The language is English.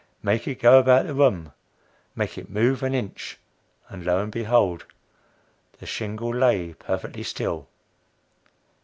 Make it go about the room. Make it move an inch!" And lo, and behold! the shingle lay perfectly still.